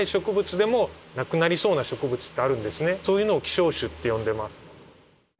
そういうのを希少種って呼んでます。